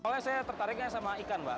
soalnya saya tertariknya sama ikan mbak